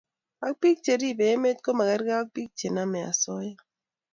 ak pik cheripei emet komakerkei ak chenamei osoya